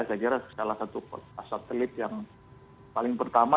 saya kira salah satu pasat telit yang paling pertama